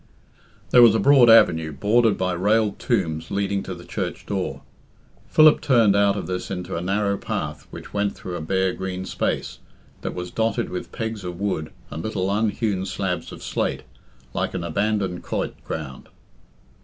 There was a broad avenue, bordered by railed tombs, leading to the church door. Philip turned out of this into a narrow path which went through a bare green space, that was dotted with pegs of wood and little unhewn slabs of slate, like an abandoned quoit ground.